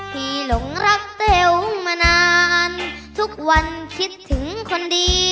หลงรักเต๋วมานานทุกวันคิดถึงคนดี